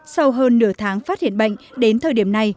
sau hơn nửa tháng phát hiện bệnh đến thời điểm này